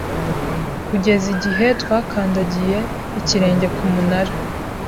Kugeza igihe twakandagiye ikirenge ku munara